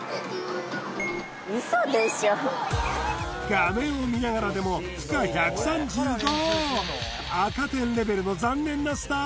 画面を見ながらでも不可１３５